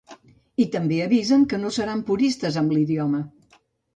I també avisen que no seran puristes amb l’idioma.